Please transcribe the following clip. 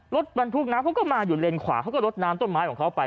รถบรรทุกน้ำเขาก็มาอยู่เลนขวาเขาก็ลดน้ำต้นไม้ของเขาไป